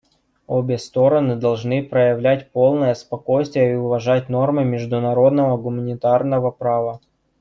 Обе стороны должны проявлять полное спокойствие и уважать нормы международного гуманитарного права.